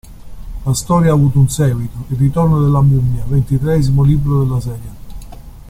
La storia ha avuto un seguito, "Il ritorno della mummia", ventitreesimo libro della serie.